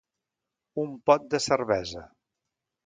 Un pot de cervesa.